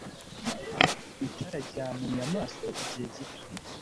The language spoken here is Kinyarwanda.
Itara ryampumye amaso igihe gito.